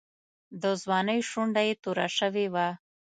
د ځوانۍ شونډه یې توره شوې وه.